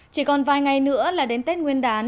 chỉ còn vài ngày nữa là đến tết nguyên đán